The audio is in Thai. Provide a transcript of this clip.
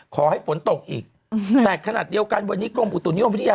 ขอให้ฝนตกอีกแต่ขณะเดียวกันวันนี้กรมอุตุนิยมวิทยา